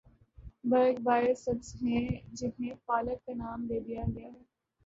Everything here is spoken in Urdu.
برگ ہائے سبز ہیں جنہیں پالک کا نام دے دیا گیا ہے۔